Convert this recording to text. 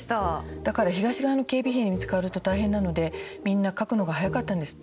だから東側の警備兵に見つかると大変なのでみんな描くのが早かったんですって。